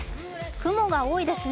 雲が多いですね。